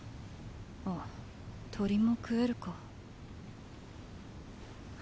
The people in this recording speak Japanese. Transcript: あ鳥も食えるか。